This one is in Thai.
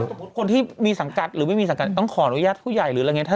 คนที่มีสังกัดหรือไม่มีสังกัดต้องขออนุญาตผู้ใหญ่หรืออะไรอย่างนี้